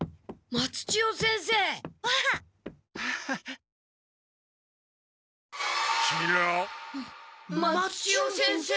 松千代先生？